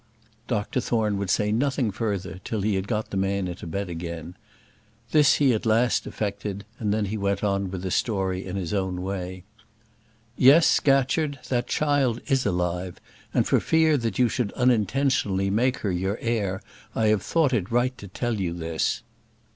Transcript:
Dr Thorne would say nothing further till he had got the man into bed again. This he at last effected, and then he went on with the story in his own way. "Yes, Scatcherd, that child is alive; and for fear that you should unintentionally make her your heir, I have thought it right to tell you this."